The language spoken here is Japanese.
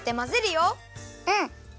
うん！